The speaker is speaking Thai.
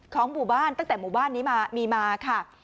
ของหมู่บ้านตั้งแต่หมู่บ้านนี้มามีมาค่ะ